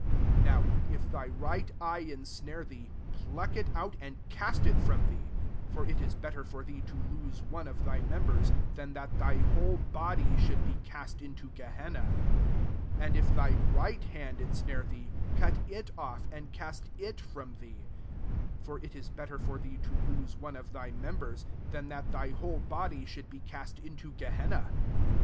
29 Now if thy right eye insnare thee, pluck it out, and cast it fratn thee : for it is better for thee to lose one of thy members, than that thy whole body should be cast into Gehenna. SO And if thy right hand insnare thee, cot it off, and cast is from thee : for it is better for thee to lose one oi thy members, than that thy whole body should be cast into Gehenna.